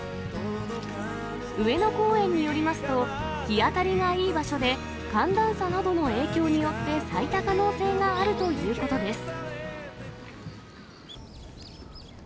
上野公園によりますと、日当たりがいい場所で、寒暖差などの影響によって咲いた可能性があるということです。